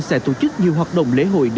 sẽ tổ chức nhiều hợp đồng lễ hội